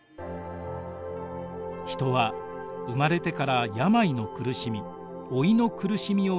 人は生まれてから病の苦しみ老いの苦しみを経て死に至ります。